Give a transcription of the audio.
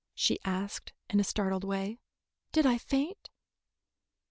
she asked, in a startled way. "Did I faint?"